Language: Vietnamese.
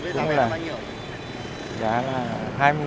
vâng cái giá là bao nhiêu